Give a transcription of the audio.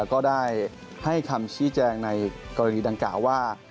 ก็ได้ให้คำชี้แจงในกรณีดังกล่าวว่า